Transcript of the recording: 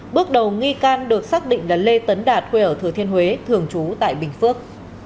bước đầu nghi can được xác định là lê tấn đạt quê ở thừa thiên huế thường trú tại bình phước